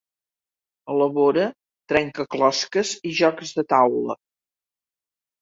Elabora trencaclosques i jocs de taula.